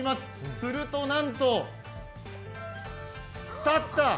するとなんと立った！